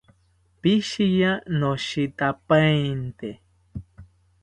Pishiya, noshitapainte